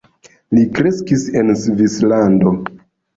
Li kreskis en Svislando.